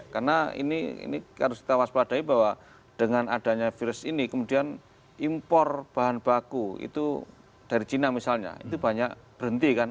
karena ini harus kita waspadai bahwa dengan adanya virus ini kemudian impor bahan baku itu dari china misalnya itu banyak berhenti kan